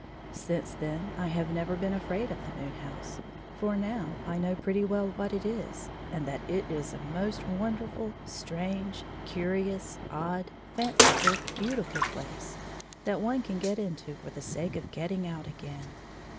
Since then I have never been afraid of the moon house, for now I know pretty well what it is, and that it is a most wonderftd, strange, curious, odd, fanciftd, beautifrd place, that one can get into for the sake of getting out again.